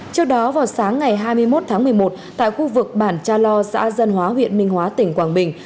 trước đó vào sáng ngày hai mươi một tháng một mươi một tại khu vực bản cha lo xã dân hóa huyện minh hóa tỉnh quảng bình